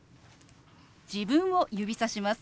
自分を指さします。